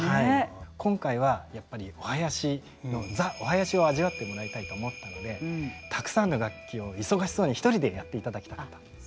今回はやっぱりお囃子の「Ｔｈｅお囃子」を味わってもらいたいと思ったのでたくさんの楽器を忙しそうに一人でやっていただきたかったんです。